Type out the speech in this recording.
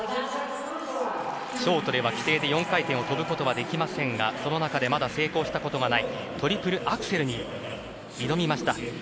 ショートでは規定で４回転を跳ぶことはできませんがその中でまだ成功したことがないトリプルアクセルに挑みました。